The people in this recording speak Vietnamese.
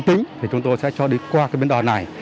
thì chúng tôi sẽ cho đến qua cái bến đò này